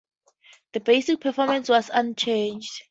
Basic performance was unchanged.